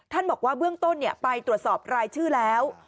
ท่านบอกว่าเบื้องต้นเนี่ยไปตรวจสอบรายชื่อแล้ว